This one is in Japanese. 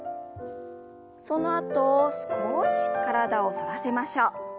そのあと少し体を反らせましょう。